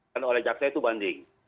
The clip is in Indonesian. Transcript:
dan oleh jaksa itu banding